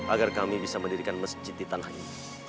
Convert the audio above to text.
agar kami bisa mendirikan masjid di tanah ini